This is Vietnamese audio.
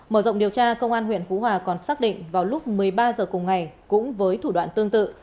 mở rộng điều tra công an huyện phú hòa còn xác định vào lúc một mươi ba h cùng ngày cũng với thủ đoạn tương tự